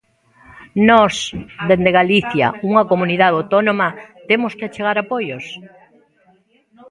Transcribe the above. ¿Nós, dende Galicia, unha comunidade autónoma, temos que achegar apoios?